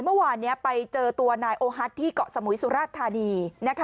ที่บอกไปเมื่อวานไปเจอตัวนายโอฮัตที่เกาะสมุยสุรรัฐธานี